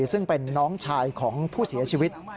ซึ่งเป็นน้องชายของผู้เสียชีวิต